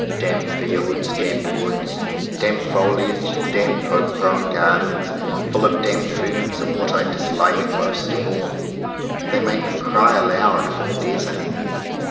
Damp fields, damp woods, damp foliage, damp over grown gardens full of damp ferns, are what I dis like most of all. They make me cry aloud for the desert.